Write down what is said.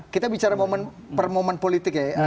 kita bicara momen per momen politik ya